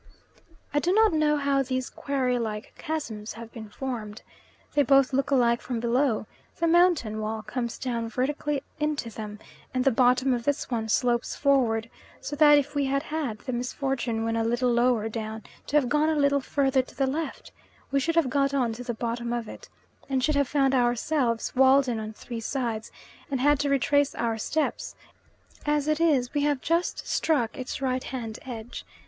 I do not know how these quarry like chasms have been formed. They both look alike from below the mountain wall comes down vertically into them and the bottom of this one slopes forward, so that if we had had the misfortune when a little lower down to have gone a little further to the left, we should have got on to the bottom of it, and should have found ourselves walled in on three sides, and had to retrace our steps; as it is we have just struck its right hand edge.